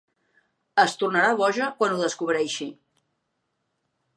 Es tornarà boja quan ho descobreixi.